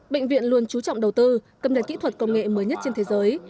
bệnh viện luôn trú trọng đầu tư cầm đặt kỹ thuật công nghệ mới nhất trên thế giới